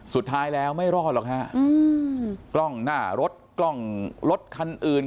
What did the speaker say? สุดท้ายแล้วไม่รอดหรอกฮะอืมกล้องหน้ารถกล้องรถคันอื่น